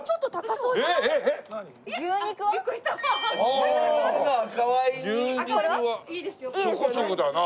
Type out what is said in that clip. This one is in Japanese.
そこそこだな。